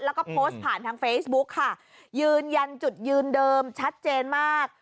แล้วก็โพสต์ผ่านทางเฟซบุ๊กค่ะยืนยันจุดยืนเดิมชัดเจนมาก